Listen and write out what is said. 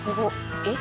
えっ？